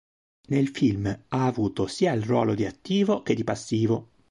Nel film ha avuto sia il ruolo di attivo che di passivo.